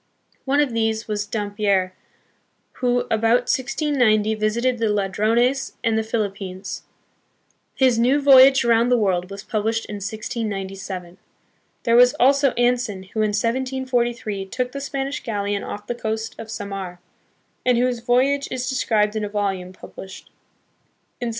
One of these was Dampier, who, about 1690, visited the Ladrones and the Philippines. His New Voyage Around the World was published hi 1697. There was also Anson, who in 1743 took the Spanish galleon off the coast of Samar, and whose voyage is described in a volume pub lished in 1745.